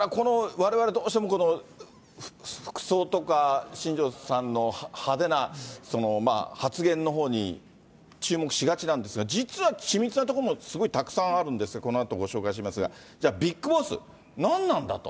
われわれどうしても服装とか、新庄さんの派手な発言のほうに注目しがちなんですが、実は緻密なところもすごいたくさんあるんですが、このあとご紹介しますが、じゃあ、ビッグボス、何なんだと。